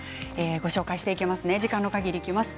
ご紹介していきます。